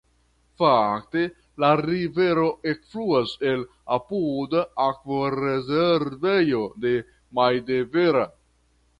Fakte la rivero ekfluas el apuda akvorezervejo de Maidevera.